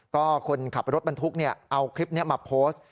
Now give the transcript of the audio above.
ก็คนขับรถบรรทุกเอาคลิปนี้มาโพสต์